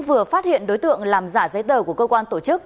vừa phát hiện đối tượng làm giả giấy tờ của cơ quan tổ chức